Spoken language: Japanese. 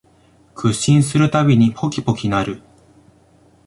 屈伸するたびにポキポキ鳴る